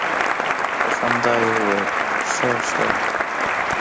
په خندا يې وويل خه خه.